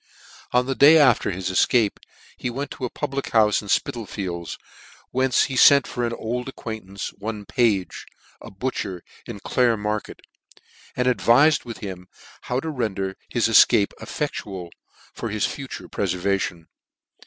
On the day after his efcape he went to a public houfe in Spitalfiekis, whence he fent for an old acquaintance, one Pase, a butcher, in Clare market, and advifed with him how to render his efcape effectual for his future prefervation.